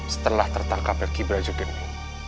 setelah tertangkap berkibra juga ini